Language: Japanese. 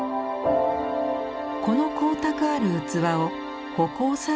この光沢ある器を葆光彩